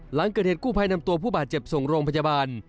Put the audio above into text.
หลังเกิดเหตุกู้ภัยนำตัวผู้บาดเจ็บส่งโรงพยาบาล